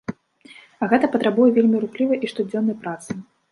А гэта патрабуе вельмі руплівай і штодзённай працы.